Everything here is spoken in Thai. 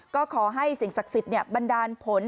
ก็ขอให้สิ่งศักดิ์สิทธิ์บันดาลผล